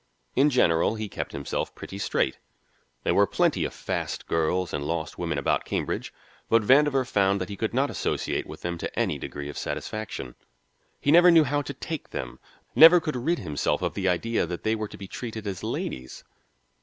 In general, he kept himself pretty straight. There were plenty of fast girls and lost women about Cambridge, but Vandover found that he could not associate with them to any degree of satisfaction. He never knew how to take them, never could rid himself of the idea that they were to be treated as ladies.